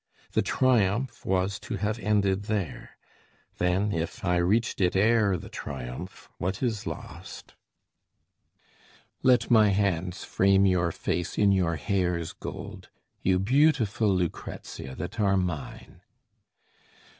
The triumph was to have ended there; then, if I reached it ere the triumph, what is lost? Let my hands frame your face in your hair's gold, You beautiful Lucrezia that are mine!